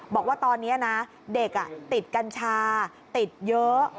บอกว่าตอนนี้นะเด็กติดกัญชาติดเยอะ